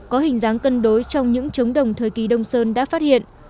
có hình dáng cân đối trong những trống đồng thời kỳ đông sơn đã phát hiện